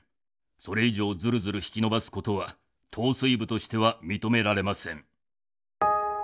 それ以上ズルズル引き延ばすことは統帥部としては認められません。